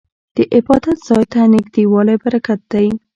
د عبادت ځای ته نږدې والی برکت دی.